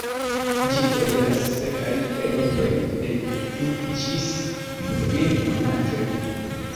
Ĝi toleras sekajn periodojn de du ĝis kvin monatojn.